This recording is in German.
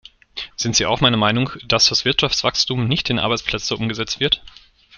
Sind Sie auch meiner Meinung, dass das Wirtschaftswachstum nicht in Arbeitsplätze umgesetzt wird?